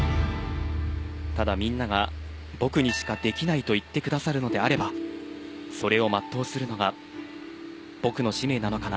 ただ、みんなが僕にしかできないと言ってくださるのであればそれを全うするのが僕の使命なのかな。